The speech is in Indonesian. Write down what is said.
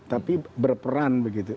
tapi berperan begitu